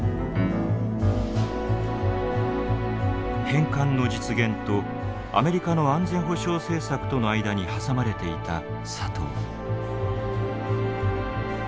返還の実現とアメリカの安全保障政策との間に挟まれていた佐藤。